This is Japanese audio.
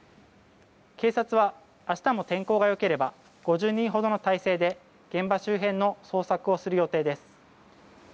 警察は明日も天候が良ければ５０人ほどの態勢で現場周辺の捜索をする予定です。